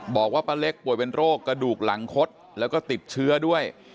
บอกว่าป้าเล็กป่วยเป็นโรคกระดูกหลังคดแล้วก็ติดเชื้อด้วย